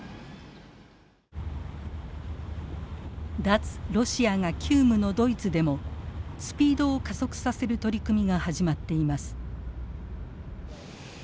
脱ロシアが急務のドイツでもスピードを加速させる取り組みが始まっています。